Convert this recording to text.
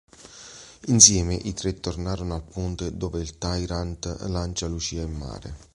Insieme, i tre tornano al ponte, dove il Tyrant lancia Lucia in mare.